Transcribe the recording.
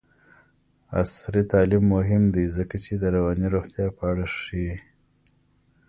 عصري تعلیم مهم دی ځکه چې د رواني روغتیا په اړه ښيي.